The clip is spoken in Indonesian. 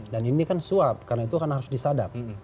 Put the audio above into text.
dan ini kan swap karena itu harus disadap